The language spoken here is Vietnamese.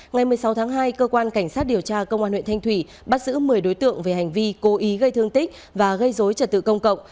ngày một mươi sáu tháng hai cơ quan cảnh sát điều tra công an huyện thanh thủy bắt giữ một mươi đối tượng về hành vi cố ý gây thương tích và gây dối trật tự công cộng